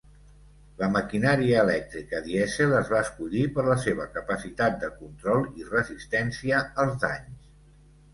La maquinària elèctrica dièsel es va escollir per la seva capacitat de control i resistència als danys.